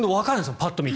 パッと見て。